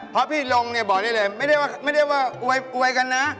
เพราะพี่ลงเนี่ยบอกได้เลยไม่ได้ว่าอวยกันนะ